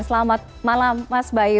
selamat malam mas bayu